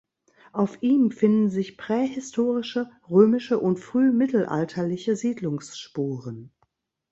Auf ihm finden sich prähistorische, römische und frühmittelalterliche Siedlungsspuren.